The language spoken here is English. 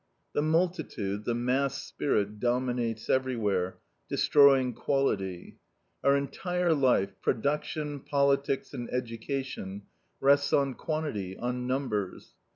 The multitude, the mass spirit, dominates everywhere, destroying quality. Our entire life production, politics, and education rests on quantity, on numbers.